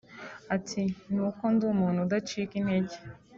Ati “ Ni uko ndi umuntu udacika integer